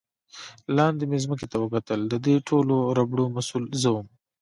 لاندې مې ځمکې ته وکتل، د دې ټولو ربړو مسؤل زه ووم.